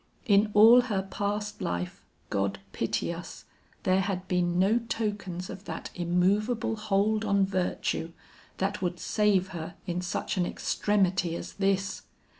In all her past life, God pity us, there had been no tokens of that immovable hold on virtue, that would save her in such an extremity as this.